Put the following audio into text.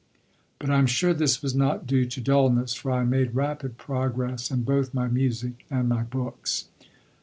But I am sure this was not due to dullness, for I made rapid progress in both my music and my books.